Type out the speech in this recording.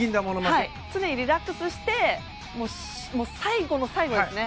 常にリラックスして最後の最後ですね。